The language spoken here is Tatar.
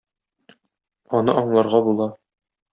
Аны аңларга була.